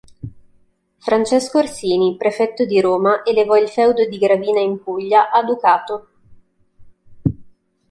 Francesco Orsini, prefetto di Roma, elevò il feudo di Gravina in Puglia a ducato.